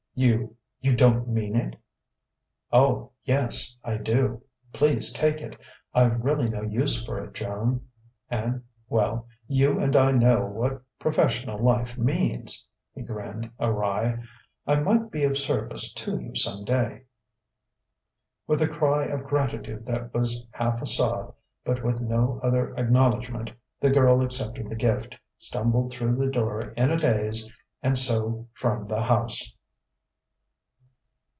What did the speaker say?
"You you don't mean it?" "Oh, yes, I do. Please take it. I've really no use for it, Joan, and well, you and I know what professional life means." He grinned awry. "It might be of service to you some day." With a cry of gratitude that was half a sob, but with no other acknowledgment, the girl accepted the gift, stumbled through the door in a daze, and so from the house.